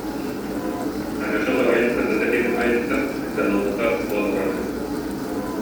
Алеша соһуйан кыргыттар диэки хайыста, Айталыыната бу олорор эбит